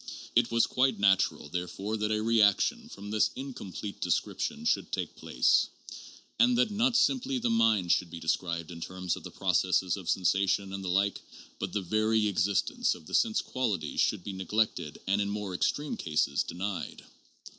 It was quite natural therefore that a reaction from this in complete description should take place, and that not simply the mind should be described in terms of the processes of sensation and the like, but the very existence of the sense qualities should be neglected and in more extreme cases denied.